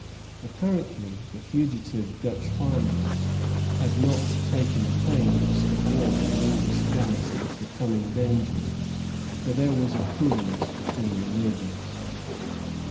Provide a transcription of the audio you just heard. Apparently, the fugitive Dutch farmers had not taken pains to warn the English garrison of the coming danger, for there was a coolness between the neighbors.